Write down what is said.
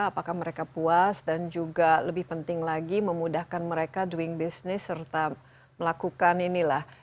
apakah mereka puas dan juga lebih penting lagi memudahkan mereka doing business serta melakukan inilah